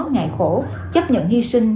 ngại khổ chấp nhận hy sinh